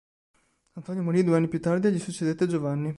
Antonio morì due anni più tardi e gli succedette Giovanni.